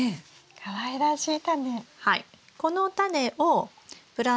かわいらしいタネ。